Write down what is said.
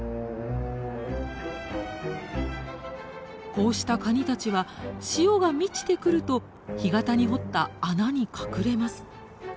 こうしたカニたちは潮が満ちてくると干潟に掘った穴に隠れます。